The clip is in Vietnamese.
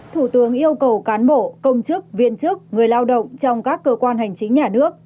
thủ tướng yêu cầu cán bộ công chức viên chức người lao động trong các cơ quan hành chính nhà nước